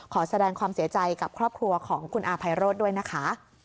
ขอแสดงความเสียใจกับครอบครัวของคุณอาภัยโรธด้วยนะคะ